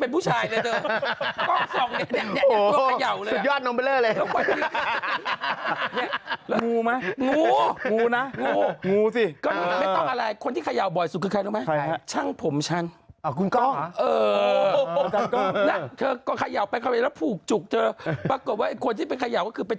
เป็นผู้ชายแข็งแรงแต่ตั๊กยังเป็นผู้ชายเลยเธอ